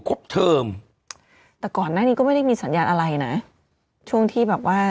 เทอมแต่ก่อนหน้านี้ก็ไม่ได้มีสัญญาณอะไรนะช่วงที่แบบว่า